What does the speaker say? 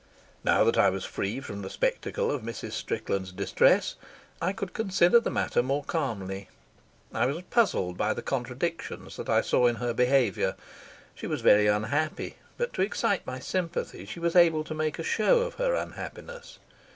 Now that I was free from the spectacle of Mrs. Strickland's distress I could consider the matter more calmly. I was puzzled by the contradictions that I saw in her behaviour. She was very unhappy, but to excite my sympathy she was able to make a show of her unhappiness.